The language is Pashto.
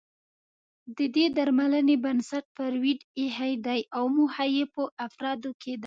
د دې درملنې بنسټ فرویډ اېښی دی او موخه يې په افرادو کې د